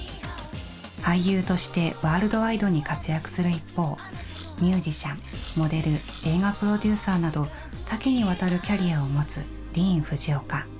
俳優としてワールドワイドに活躍する一方ミュージシャンモデル映画プロデューサーなど多岐にわたるキャリアを持つディーン・フジオカ。